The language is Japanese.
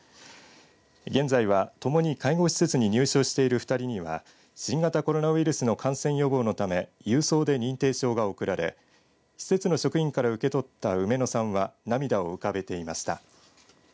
現在は、ともに介護施設に入所している２人には新型コロナウイルスの感染予防のため郵送で認定証が送られ施設の職員から受け取ったウメノさんは涙を浮かべていました。